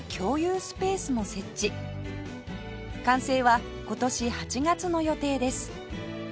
完成は今年８月の予定です